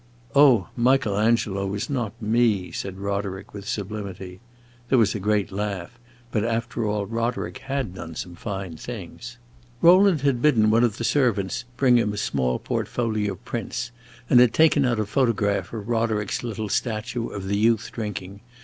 "Oh, Michael Angelo was not me!" said Roderick, with sublimity. There was a great laugh; but after all, Roderick had done some fine things. Rowland had bidden one of the servants bring him a small portfolio of prints, and had taken out a photograph of Roderick's little statue of the youth drinking.